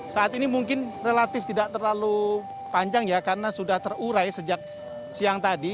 saat ini mungkin relatif tidak terlalu panjang ya karena sudah terurai sejak siang tadi